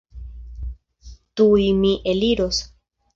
Tuj mi eliros.